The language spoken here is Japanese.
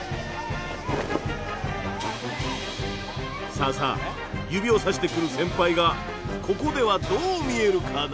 さあさあ指をさしてくる先輩がここではどう見えるかな？